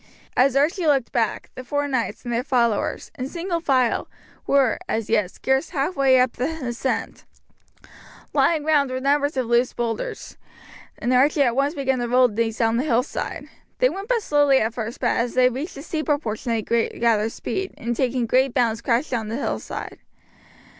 As Archie looked back, the four knights and their followers, in single file, were, as yet, scarce halfway up the ascent. Lying round were numbers of loose boulders, and Archie at once began to roll these down the hillside. They went but slowly at first, but as they reached the steeper portion they gathered speed, and taking great bounds crashed down the hillside.